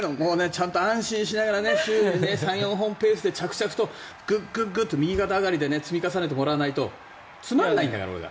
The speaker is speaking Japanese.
ちゃんと安心しながら週３４本ペースでググッと右肩上がりで積み重ねてもらわないとつまんないから、俺が。